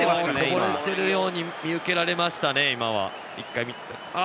こぼれているように見受けられましたね。